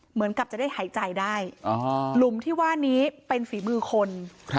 เหมือนกับจะได้หายใจได้หลุมที่ว่านี้เป็นฝีมือคน